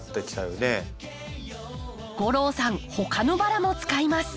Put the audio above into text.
吾郎さんほかのバラも使います。